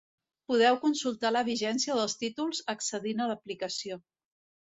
Podreu consultar la vigència dels títols accedint a l'aplicació.